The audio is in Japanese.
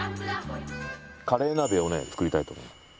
カレー鍋をね作りたいと思います。